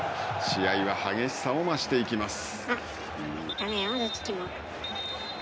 試合は激しさを増していきます。